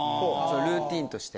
ルーティンとして。